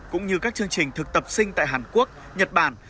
cũng như các chương trình thực tập sinh tại hàn quốc nhật bản